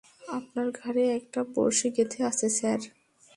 আপনার ঘাড়ে একটা বড়শি গেঁথে আছে, স্যার!